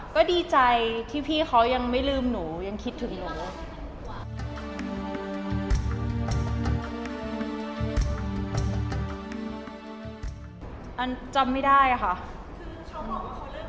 ก็ดีใจที่พี่เขายังไม่ลืมหนูยังคิดถึงหนู